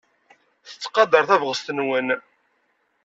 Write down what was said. Tettqadar tabɣest-nwen.